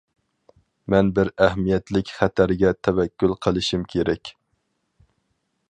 مەن بىر ئەھمىيەتلىك خەتەرگە تەۋەككۈل قىلىشىم كېرەك.